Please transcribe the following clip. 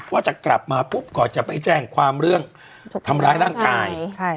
ว่าจะกลับมาปุ๊บก่อนจะไปแจ้งความเรื่องทำร้ายร่างกาย